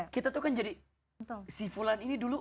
kita tuh kan jadi sifulan ini dulu